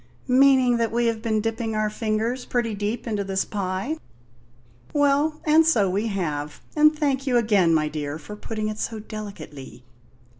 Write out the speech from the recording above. "Meaning that we have been dipping our fingers pretty deep into this pie. Well, and so we have; and thank you again, my dear, for putting it so delicately."